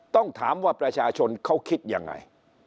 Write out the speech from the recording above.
ต้องถามว่าประชาชนเขาคิดยังไง